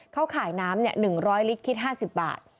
เขาขายน้ำ๑๐๐ลิตรคิด๕๐บาท